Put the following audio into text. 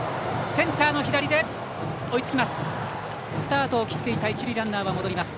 センター、追いつきます。